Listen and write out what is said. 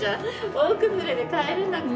大崩れで帰れなくてさ。